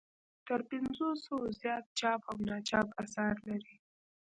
تر پنځو سوو زیات چاپ او ناچاپ اثار لري.